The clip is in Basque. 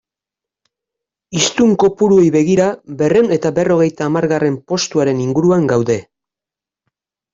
Hiztun kopuruei begira, berrehun eta berrogeita hamargarren postuaren inguruan gaude.